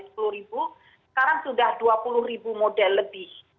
sekarang sudah dua puluh ribu model lebih